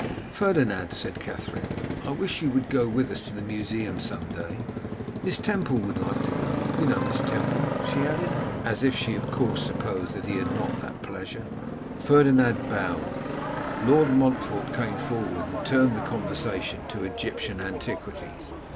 'Ferdinand,' said Katherine, 'I wish you would go with us to the Museum some day. Miss Temple would like to go. You know Miss Temple,' she added, as if she of course supposed he had not that pleasure. Ferdinand bowed; Lord Montfort came forward, and turned the conversation to Egyptian antiquities.